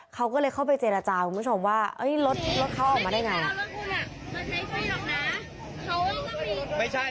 เขาก็เลยเข้าไปเจรจาคุณผู้ชมว่ารถเขาออกมาได้ไง